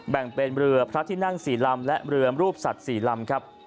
แบ่งเป็นเรือพระที่นั่ง๔ลำและเรือรูปสัตว์๔ลำครับ